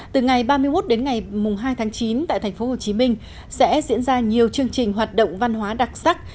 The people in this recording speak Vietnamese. từ ngày ba mươi một đến ngày hai tháng chín tại tp hcm sẽ diễn ra nhiều chương trình hoạt động văn hóa đặc sắc